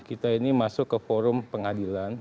kita ini masuk ke forum pengadilan